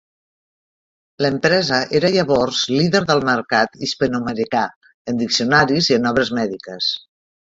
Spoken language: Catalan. L'empresa era llavors líder del mercat hispanoamericà en diccionaris i en obres mèdiques.